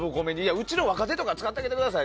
うちの若手とかを使ってあげてくださいよ